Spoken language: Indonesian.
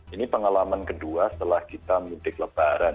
ini pengalaman kedua setelah kita mudik lebaran